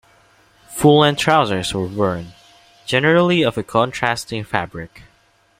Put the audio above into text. Full-length trousers were worn, generally of a contrasting fabric.